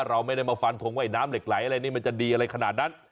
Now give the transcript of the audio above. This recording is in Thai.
เราไม่ได้มาฟันทงว่ายน้ำเหล็กไหลอะไรนี่มันจะดีอะไรขนาดนั้น